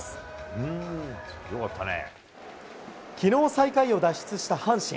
きのう最下位を脱出した阪神。